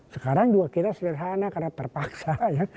sekarang juga kita sederhana karena terpaksa ya